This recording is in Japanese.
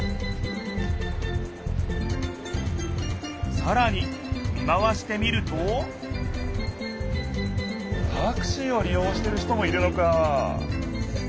さらに見回してみるとタクシーをり用してる人もいるのか。